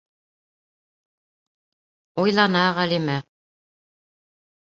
Уйлана Ғәлимә.